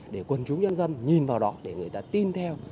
để quần chúng nhân dân nhìn vào đó để người ta tin theo